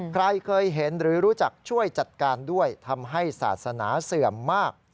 ใครเคยเห็นหรือรู้จักช่วยจัดการด้วยทำให้ศาสนาเสื่อมมาก